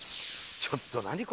ちょっと何？